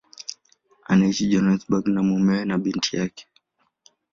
Anaishi Johannesburg na mumewe na binti yake.